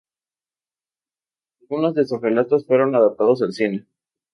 Algunos de sus relatos fueron adaptados al cine.